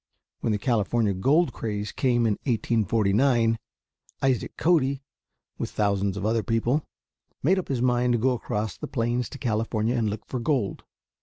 When the California gold craze came in 1849, Isaac Cody, with thousands of other people, made up his mind to go across the plains to California and look for gold.